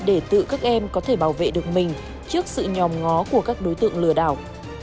để tự các em có thể bảo vệ được mình trước sự nhòm ngó của các đối tượng lừa đảo